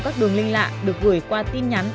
các đường linh lạ được gửi qua tin nhắn